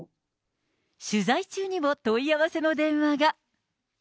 取材中にも問い合わせの電話が。